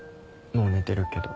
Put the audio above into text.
もう寝てるけど。